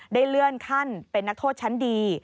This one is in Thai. เลื่อนขั้นเป็นนักโทษชั้นดี